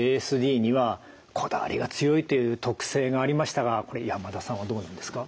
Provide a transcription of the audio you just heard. ＡＳＤにはこだわりが強いという特性がありましたがこれ山田さんはどうなんですか？